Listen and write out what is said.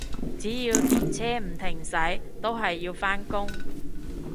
只要電車唔停駛，都係要返工